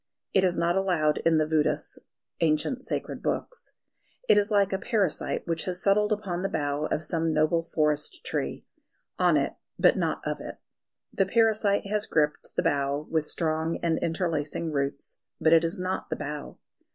It is not allowed in the Védas (ancient sacred books). It is like a parasite which has settled upon the bough of some noble forest tree on it, but not of it. The parasite has gripped the bough with strong and interlacing roots; but it is not the bough.